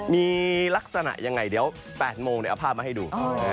มีลักษณะยังไงเดี๋ยว๘โมงเดี๋ยวเอาภาพมาให้ดู